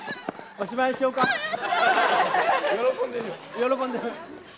喜んでる。